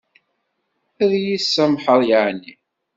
Ad yi-tsamḥeḍ yeɛni?